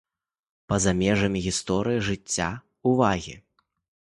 Па-за межамі гісторыі, жыцця, увагі.